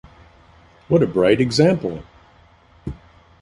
What a bright example!